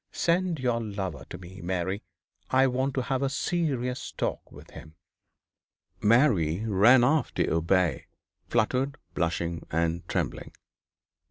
Send your lover to me, Mary. I want to have a serious talk with him.' Mary ran off to obey, fluttered, blushing, and trembling.